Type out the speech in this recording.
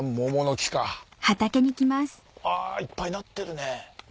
あいっぱいなってるね。